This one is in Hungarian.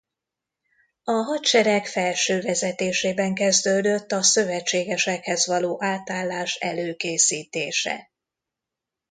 A hadsereg felső vezetésében kezdődött a szövetségesekhez való átállás előkészítése.